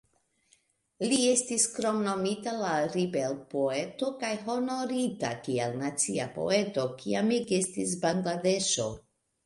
Li estis kromnomita la "ribel-poeto", kaj honorita kiel "nacia poeto" kiam ekestis Bangladeŝo.